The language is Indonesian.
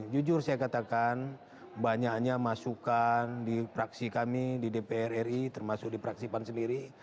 jujur saya katakan banyaknya masukan di praksi kami di dpr ri termasuk di praksipan sendiri